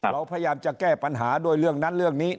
เราพยายามจะแก้ปัญหาด้วยเรื่องนั้นเรื่องนี้